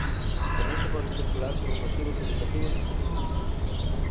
Tamén se pode circular por motivos educativos xustificados.